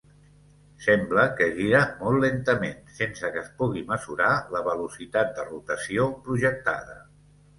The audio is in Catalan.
Sembla que gira molt lentament sense que es pugui mesurar la velocitat de rotació projectada.